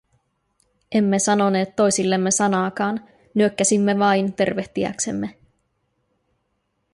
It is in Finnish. Emme sanoneet toisillemme sanaakaan, nyökkäsimme vain tervehtiäksemme.